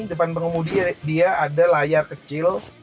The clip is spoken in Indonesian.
di depan pengemudi dia ada layar kecil